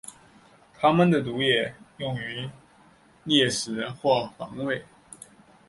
它们的毒液用于猎食或防卫。